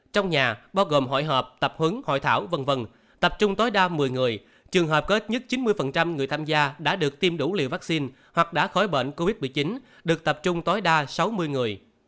trong nhà bao gồm hội họp tập hứng hội thảo v v tập trung tối đa một mươi người trường hợp ít nhất chín mươi người tham gia đã được tiêm đủ liều vaccine hoặc đã khỏi bệnh covid một mươi chín được tập trung tối đa sáu mươi người